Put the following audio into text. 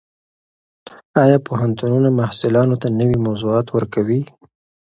ایا پوهنتونونه محصلانو ته نوي موضوعات ورکوي؟